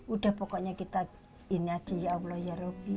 udah pokoknya kita ini aja ya allah ya rabbi